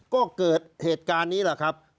ก็เกิดเหตุการณ์นี้แหละครับ